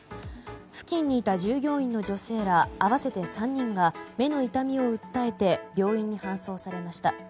付近にいた従業員の女性ら合わせて３人が目の痛みを訴えて病院に搬送されました。